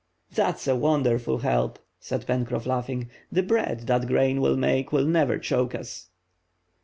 "That's a wonderful help," said Pencroff, laughing. "The bread that grain will make will never choke us."